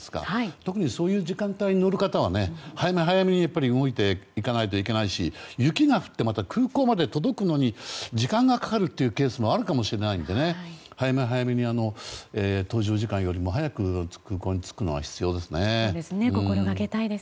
特にそういう時間帯に乗る方は早め早めに動いていかないといけないし雪が降って空港まで行くのに時間がかかるケースもあるかもしれないので早め早めに搭乗時間よりも早く空港に着くことが必要ですね。